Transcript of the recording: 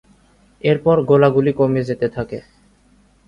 এরপর গোলাগুলি কমে যেতে থাকে।